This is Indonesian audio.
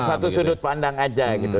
satu sudut pandang aja gitu